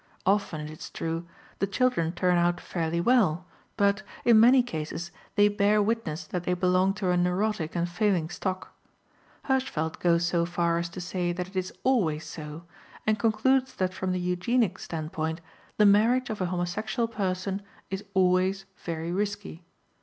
Often, it is true, the children turn out fairly well, but, in many cases, they bear witness that they belong to a neurotic and failing stock; Hirschfeld goes so far as to say that it is always so, and concludes that from the eugenic standpoint the marriage of a homosexual person is always very risky.